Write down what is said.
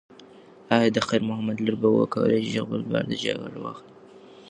ایا د خیر محمد لور به وکولی شي خپل پلار ته جاکټ واخلي؟